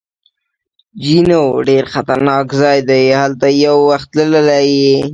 جینو: ډېر خطرناک ځای دی، هلته یو وخت تللی یې؟